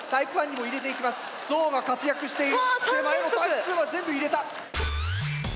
手前のタイプ２は全部入れた。